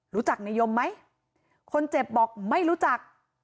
รู้จักในยมไหมคนเจ็บบอกไม่รู้จัก